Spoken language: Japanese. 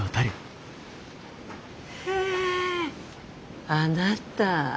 へえあなた